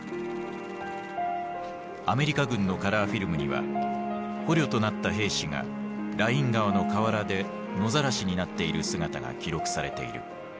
アメリカ軍のカラーフィルムには捕虜となった兵士がライン川の河原で野ざらしになっている姿が記録されている。